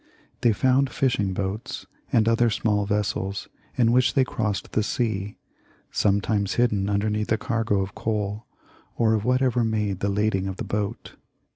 They found fishing boats and other small vessels in which they crossed the sea, sometimes hidden underneath the cargo of coal, or of whatever made the lading of the boat.